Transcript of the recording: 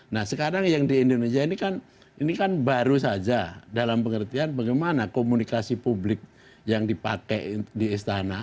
nah sekarang yang di indonesia ini kan ini kan baru saja dalam pengertian bagaimana komunikasi publik yang dipakai di istana